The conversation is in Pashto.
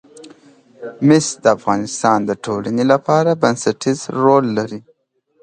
مس د افغانستان د ټولنې لپاره بنسټيز رول لري.